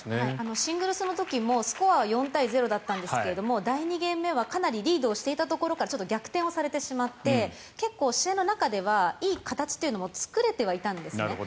シングルスの時もスコアは４対０だったんですけど第２ゲーム目はかなりリードをしていたところから逆転されてしまって結構、試合の中ではいい形というのは作れてはいたんですね。